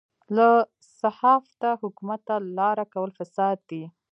له صحافته حکومت ته لاره کول فساد دی.